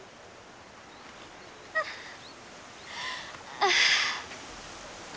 ああ。